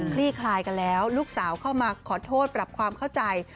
ลี่คลายกันแล้วลูกสาวเข้ามาขอโทษปรับความเข้าใจ